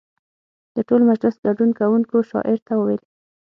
د ټول مجلس ګډون کوونکو شاعر ته وویل.